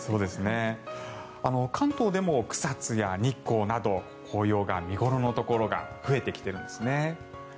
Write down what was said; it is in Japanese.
関東でも草津や日光など紅葉が見頃のところが増えてきているんですね。